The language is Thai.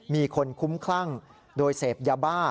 มีคนคุ้มคลั่งโดยเสพยาบ้า